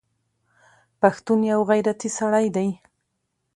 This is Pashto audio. پښتون یوغیرتي سړی دی